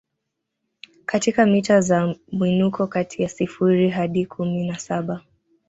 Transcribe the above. katika mita za mwinuko kati ya sifuri hadi kumi na saba